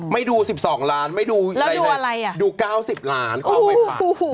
ไม่ดู๑๒ล้านไม่ดูอะไรดู๙๐ล้านเขาเอาไปฝัง